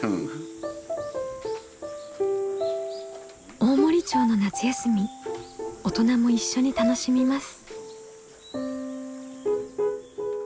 大森町の夏休み大人も一緒に楽しみます。